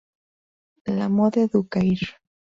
La Motte-du-Caire